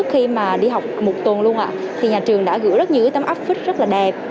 khi mà đi học một tuần luôn ạ thì nhà trường đã gửi rất nhiều cái tấm áp phích rất là đẹp